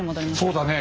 そうだね。